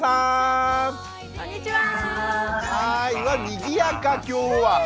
にぎやかきょうは。